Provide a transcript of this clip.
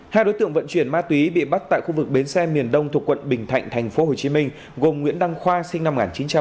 hai đối tượng vận chuyển ma túy bị bắt tại khu vực bến xe miền đông thuộc quận bình thạnh tp hcm gồm nguyễn đăng khoa sinh năm một nghìn chín trăm tám mươi